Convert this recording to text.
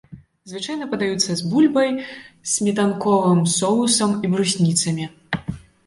Звычайна падаюцца з бульбай, сметанковым соусам і брусніцамі.